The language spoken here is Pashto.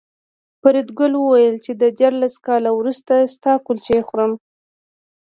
فریدګل وویل چې دیارلس کاله وروسته ستا کلچې خورم